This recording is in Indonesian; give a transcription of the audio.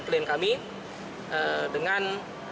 dan kami dengan